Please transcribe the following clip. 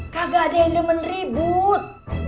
kagak ada yang demen ribut